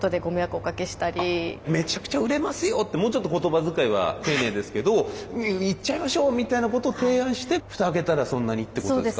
もうちょっと言葉遣いは丁寧ですけど「いっちゃいましょう！」みたいなことを提案して蓋開けたらそんなにってことですか？